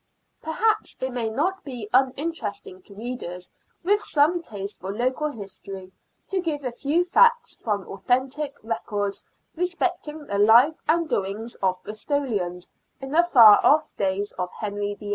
Perhaps it may not be uninteresting to readers with some taste for local history to give a few facts from authentic records respecting the life and doings of Bristolians in the far off days of Henry VHI.